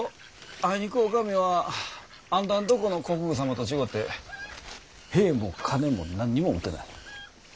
あいにくお上はあんたんとこの国父様と違うて兵も金も何にも持ってない。